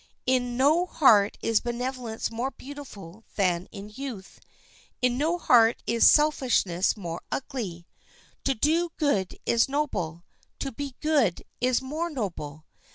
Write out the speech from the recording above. In no heart is benevolence more beautiful than in youth; in no heart is selfishness more ugly. To do good is noble; to be good is more noble.